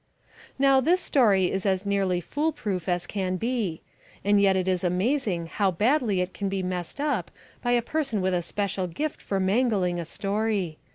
Now this story is as nearly fool proof as can be. And yet it is amazing how badly it can be messed up by a person with a special gift for mangling a story.